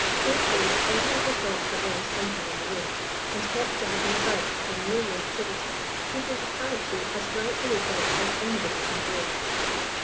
Queerface evidently thought that there was something in the wind, and kept jumping about with unusual activity, keeping apparently as bright a lookout as anybody on board.